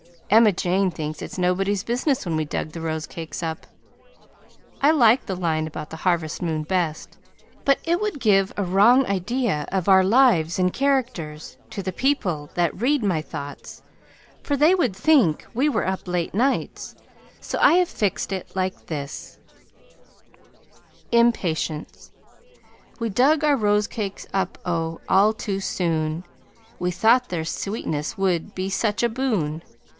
Emma Jane thinks it is nobody's business when we dug the rosecakes up. I like the line about the harvest moon best, but it would give a wrong idea of our lives and characters to the people that read my Thoughts, for they would think we were up late nights, so I have fixed it like this: IMPATIENCE We dug our rose cakes up oh! all too soon, We thought their sweetness would be such a boon.